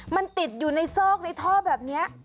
มันติดอยู่ในซอกในท่อแบบนี้